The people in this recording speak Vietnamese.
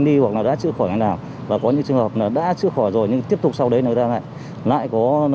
địa điểm cách ly